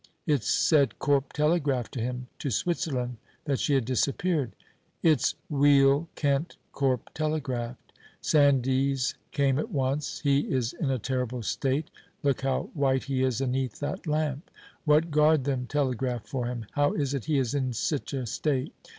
It's said Corp telegraphed to him to Switzerland that she had disappeared. It's weel kent Corp telegraphed. Sandys came at once. He is in a terrible state. Look how white he is aneath that lamp. What garred them telegraph for him? How is it he is in sic a state?